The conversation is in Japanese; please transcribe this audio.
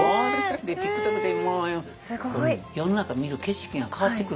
でＴｉｋＴｏｋでもう世の中見る景色が変わってくるの。